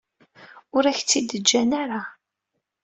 Ur ak-tt-id-ǧǧan ara.